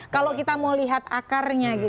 kalau kita mau lihat akarnya